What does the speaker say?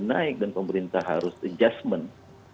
naik dan pemerintah harus adjustment